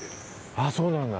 ああそうなんだ。